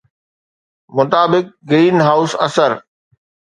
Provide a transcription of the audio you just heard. مطابق، greenhouse اثر